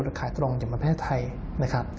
หรือขายตรงอย่างเมืองประเทศไทย